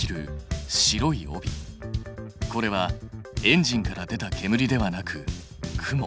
これはエンジンから出たけむりではなく雲。